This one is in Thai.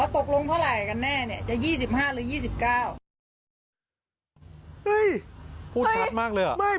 พูดชัดมากเลยอะ